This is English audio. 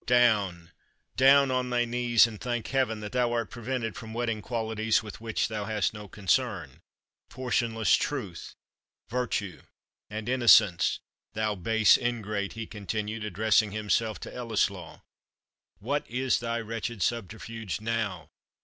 Down down on thy knees, and thank Heaven that thou art prevented from wedding qualities with which thou hast no concern portionless truth, virtue, and innocence thou, base ingrate," he continued, addressing himself to Ellieslaw, "what is thy wretched subterfuge now?